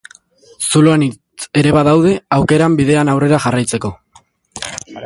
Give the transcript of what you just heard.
Zulo anitz ere badaude aukeran bidean aurrera jarraitzeko.